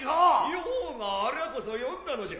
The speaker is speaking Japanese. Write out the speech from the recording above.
用がありゃこそ呼んだのじゃ。